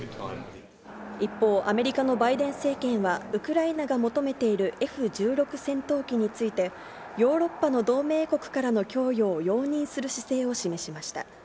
一方、アメリカのバイデン政権はウクライナが求めているＦ１６戦闘機について、ヨーロッパの同盟国からの供与を容認する姿勢を示しました。